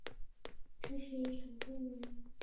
这是一种功能强大的多模双频雷达。